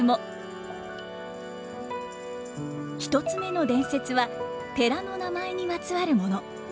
１つ目の伝説は寺の名前にまつわるもの。